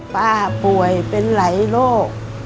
ป่วยเป็นหลายโรค